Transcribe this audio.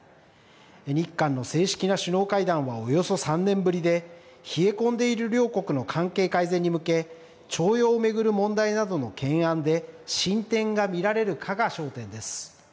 日韓の正式な首脳会談はおよそ３年ぶりで冷え込んでいる両国の関係改善に向け徴用を巡る問題などの懸案で進展が見られるかが焦点です。